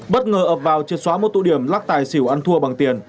bất ngờ ập vào triệt xóa một tụ điểm lắc tài xỉu ăn thua bằng tiền